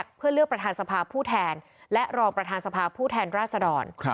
เพื่อเลือกประธานสภาผู้แทนและรองประธานสภาผู้แทนราษดร